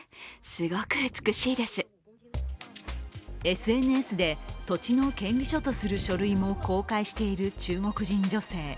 ＳＮＳで土地の権利書とする書類も公開している中国人女性。